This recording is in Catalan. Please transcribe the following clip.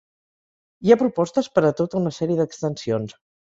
Hi ha propostes per a tota una sèrie d'extensions.